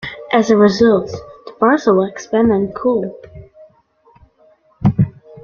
As a result, the parcel will expand and cool.